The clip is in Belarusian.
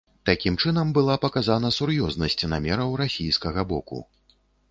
Такім чынам была паказана сур'ёзнасць намераў расійскага боку.